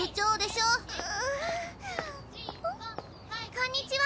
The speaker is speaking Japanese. こんにちは。